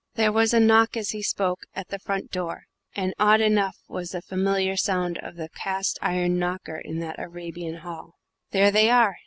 There was a knock, as he spoke, at the front door; and odd enough was the familiar sound of the cast iron knocker in that Arabian hall. "There they are!"